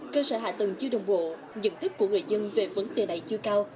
cơ sở hạ tầng chưa đồng bộ dựng thức của người dân về vấn đề đại chưa cao